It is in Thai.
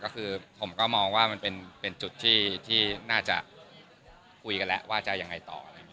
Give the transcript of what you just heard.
ก็คือผมก็มองว่ามันเป็นจุดที่น่าจะคุยกันแล้วว่าจะยังไงต่อ